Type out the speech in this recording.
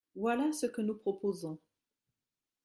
Voilà ce que nous proposons.